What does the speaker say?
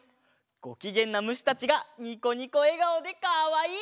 ごきげんなむしたちがニコニコえがおでかわいい！